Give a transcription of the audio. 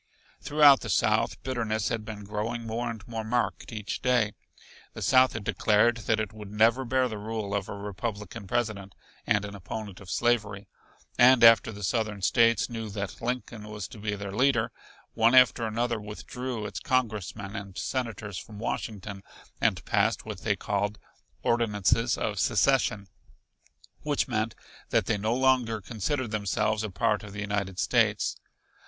Throughout the South, bitterness had been growing more and more marked each day. The South had declared that it would never bear the rule of a Republican President and an opponent of slavery. And after the Southern States knew that Lincoln was to be their leader, one after another withdrew its congressmen and senators from Washington, and passed what they called "ordinances of secession," which meant that they no longer considered themselves a part of the United States.